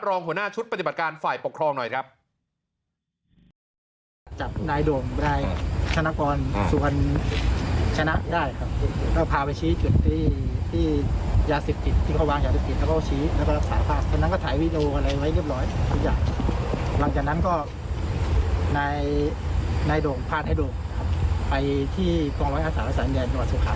รองหัวหน้าชุดปฏิบัติการฝ่ายปกครองหน่อยครับ